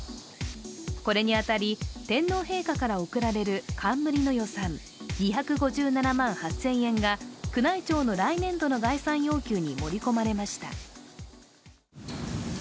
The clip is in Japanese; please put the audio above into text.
これに当たり、天皇陛下から贈られる冠の予算、２５７万８０００円が宮内庁の来年度の概算要求に盛り込まれました。